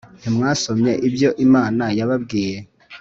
ntimwasomye ibyo Imana yababwiye